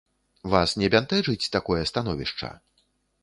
Вас не бянтэжыць такое становішча?